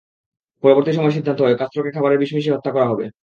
পরবর্তী সময়ে সিদ্ধান্ত হয়, কাস্ত্রোকে খাবারে বিষ মিশিয়ে হত্যা করা হবে।